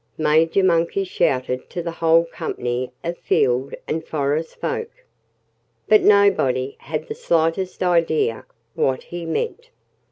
Major Monkey shouted to the whole company of field and forest folk. But nobody had the slightest idea what he meant.